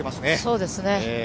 そうですね。